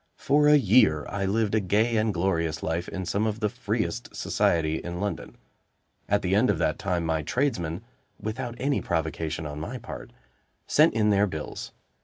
For a year I lived a gay and glorious life in some of the freest society in London; at the end of that time, my tradesmen, without any provocation on my part, sent in their bills.